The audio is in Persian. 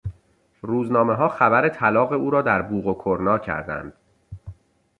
روزنامهها خبر طلاق او را در بوق و کرنا کردند.